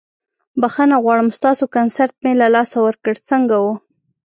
بخښنه غواړم ستاسو کنسرت مې له لاسه ورکړ، څنګه وه؟